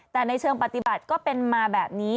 แต่ในเชิงปฏิบัติก็เป็นมาแบบนี้